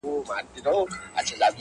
باد د غرونو له منځه راځي-